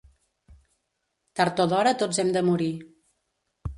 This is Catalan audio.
Tard o d'hora tots hem de morir.